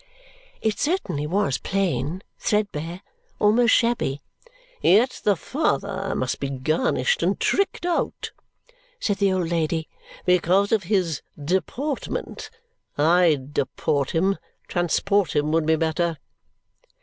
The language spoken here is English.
It certainly was plain threadbare almost shabby. "Yet the father must be garnished and tricked out," said the old lady, "because of his deportment. I'd deport him! Transport him would be better!"